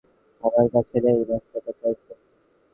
আমার কাছে নেই,, বাচ্চাটা চাইছে।